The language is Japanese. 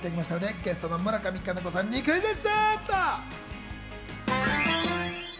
ゲストの村上佳菜子さんにクイズッス！